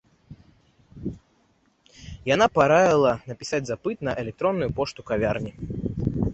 Яна параіла напісаць запыт на электронную пошту кавярні.